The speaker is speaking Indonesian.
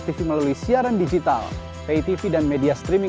tadi sudah cengeng tadi basic atau becek tadi